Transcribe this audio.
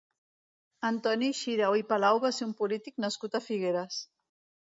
Antoni Xirau i Palau va ser un polític nascut a Figueres.